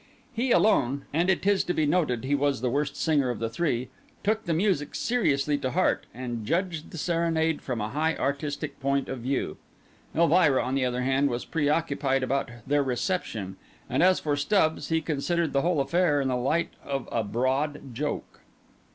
He alone—and it is to be noted, he was the worst singer of the three—took the music seriously to heart, and judged the serenade from a high artistic point of view. Elvira, on the other hand, was preoccupied about their reception; and, as for Stubbs, he considered the whole affair in the light of a broad joke.